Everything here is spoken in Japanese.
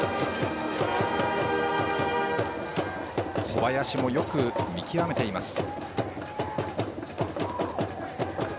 小林もよく見極めています。